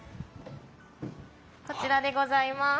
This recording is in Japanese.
こちらでございます。